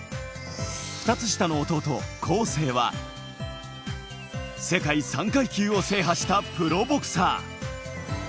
２つ下の弟・恒成は世界３階級を制覇したプロボクサー。